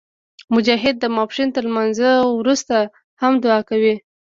مجاهد د ماسپښین تر لمونځه وروسته هم دعا کوي.